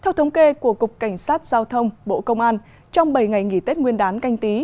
theo thống kê của cục cảnh sát giao thông bộ công an trong bảy ngày nghỉ tết nguyên đán canh tí